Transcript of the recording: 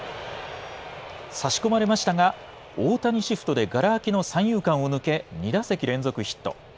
差し込まれましたが、大谷シフトでがら空きの三遊間を抜け、２打席連続ヒット。